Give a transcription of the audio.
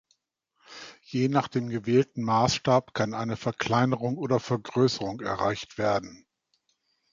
Je nach dem gewählten Maßstab kann eine Verkleinerung oder Vergrößerung erreicht werden.